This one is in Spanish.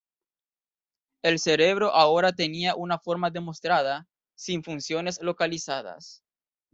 El cerebro ahora tenía una forma demostrada, sin funciones localizadas.